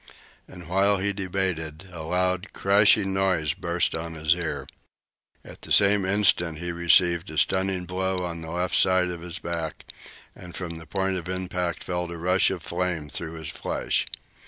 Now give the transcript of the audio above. And while he debated, a loud, crashing noise burst on his ear. At the same instant he received a stunning blow on the left side of the back, and from the point of impact felt a rush of flame through his flesh.